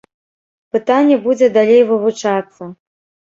Пытанне будзе далей вывучацца.